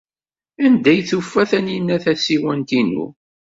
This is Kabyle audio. Anda ay tufa Taninna tasiwant-inu?